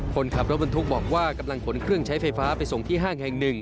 คนขับรถบรรทุกบอกว่ากำลังขนเครื่องใช้ไฟฟ้าไปส่งที่ห้างแห่งหนึ่ง